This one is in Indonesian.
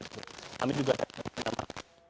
kami juga ada